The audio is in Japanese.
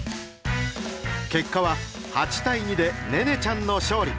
結果は８対２で寧音ちゃんの勝利。